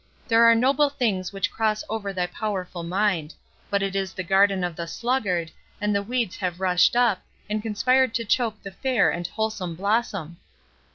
There are noble things which cross over thy powerful mind; but it is the garden of the sluggard, and the weeds have rushed up, and conspired to choke the fair and wholesome blossom."